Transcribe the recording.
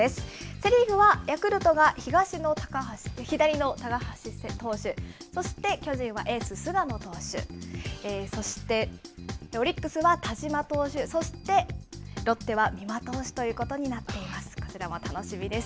セ・リーグはヤクルトが左の高橋投手、そして巨人はエース、菅野投手、そして、オリックスは田嶋投手、そしてロッテは美馬投手ということになっています。